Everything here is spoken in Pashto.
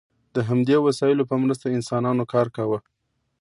د همدې وسایلو په مرسته انسانانو کار کاوه.